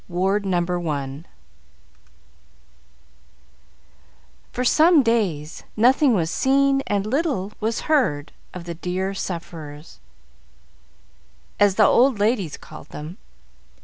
Ward No. 1 For some days, nothing was seen and little was heard of the "dear sufferers," as the old ladies called them.